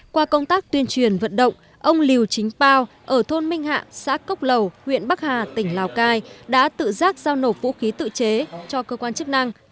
qua công tác tuyên truyền vận động ông liều chính pao ở thôn minh hạ xã cốc lầu huyện bắc hà tỉnh lào cai đã tự giác giao nộp vũ khí tự chế cho cơ quan chức năng